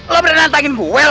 lo beneran nantangin gue lo